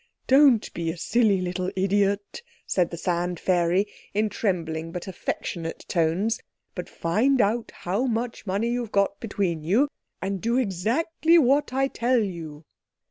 "Don't be a silly little idiot," said the Sand fairy in trembling but affectionate tones, "but find out how much money you've got between you, and do exactly what I tell you."